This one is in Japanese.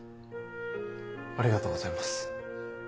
ありがとうございます